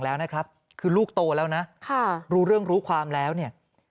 แล้วนะครับคือลูกโตแล้วนะรู้เรื่องรู้ความแล้วเนี่ย